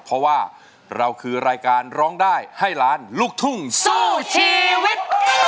เพราะว่าเราคือรายการร้องได้ให้ล้านลูกทุ่งสู้ชีวิต